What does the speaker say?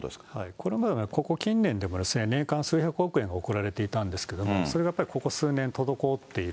これまでも、ここ近年でも年間数百億円が送られていたんですけれども、それがやっぱりここ数年滞っている。